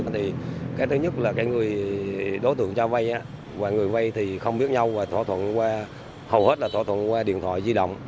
thì cái thứ nhất là cái người đối tượng cho vai á và người vai thì không biết nhau và thỏa thuận qua hầu hết là thỏa thuận qua điện thoại di động